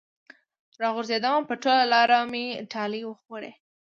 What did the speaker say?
راغورځېدم په ټوله لاره مې ټالۍ وخوړې